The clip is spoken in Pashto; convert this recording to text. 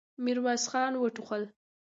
ميرويس خان وټوخل.